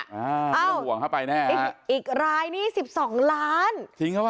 ไม่ต้องห่วงถ้าไปแน่อีกรายนี้๑๒ล้าน